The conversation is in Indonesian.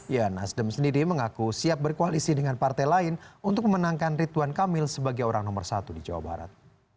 ya nasdem sendiri mengaku siap berkoalisi dengan partai lain untuk memenangkan rituan kamil sebagai orang nomor satu di jawa barat